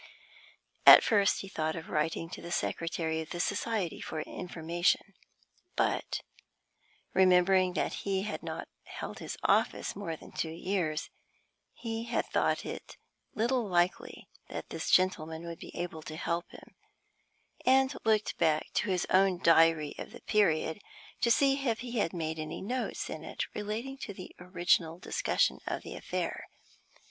At first he thought of writing to the secretary of the society for information; but, remembering that he had not held his office more than two years, he had thought it little likely that this gentleman would be able to help him, and looked back to his own Diary of the period to see if he had made any notes in it relating to the original discussion of the affair.